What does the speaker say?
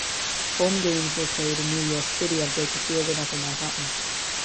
Home games were played in New York City at Baker Field in Upper Manhattan.